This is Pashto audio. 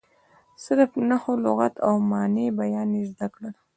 صرف، نحو، لغت او معاني بیان یې زده کړل.